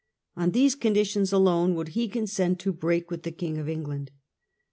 On these conditions alone would he consent to break with the King of England.